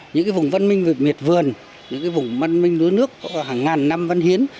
những vùng văn minh miệt vườn những vùng văn minh nước nước hàng ngàn năm văn hiến